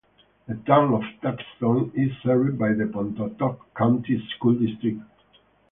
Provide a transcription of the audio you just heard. The town of Thaxton is served by the Pontotoc County School District.